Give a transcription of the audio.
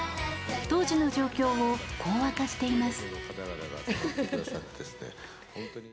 当時の状況をこう明かしています。